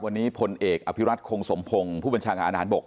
วันนี้พลเอกอภิรัตคงสมพงศ์ผู้บัญชาการอาหารบก